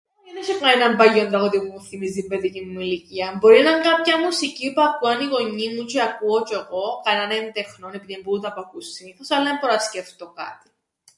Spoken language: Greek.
Όι εν έσ̆ει κανέναν παλιόν τραγούδιν που μου θθυμίζει την παιδικήν μου ηλικίαν, μπορεί να 'ν' κάποια μουσική που ακούαν οι γονιοί μου τζ̆αι ακούω τζ̆αι εγώ, κανέναν έντεχνον, επειδή εν' που τούτα που ακούν συνήθως, αλλά εν μπορώ να σκεφτώ κάτι.